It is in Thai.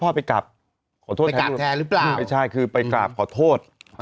พ่อไปกราบไปกราบแทนหรือเปล่าไม่ใช่คือไปกราบขอโทษ